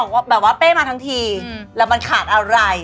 แป้บอกว่าแป้มาทั้งทีแล้วมันขาดอะไร